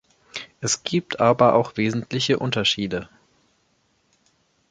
Es gibt aber auch wesentliche Unterschiede.